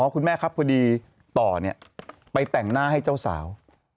คุณแม่ครับพอดีต่อไปแต่งหน้าให้เจ้าสาว